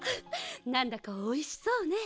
なんだかおいしそうね。